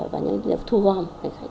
và những điểm thu hòm